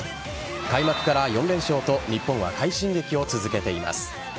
開幕から４連勝と日本は快進撃を続けています。